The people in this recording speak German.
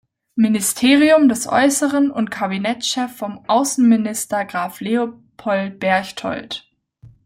Ministerium des Äußeren und Kabinettschef von Außenminister Graf Leopold Berchtold.